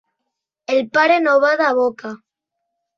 El pare no bada boca.